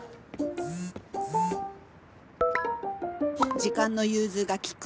「時間の融通が利く」